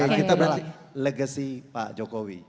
karena kita berarti legacy pak jokowi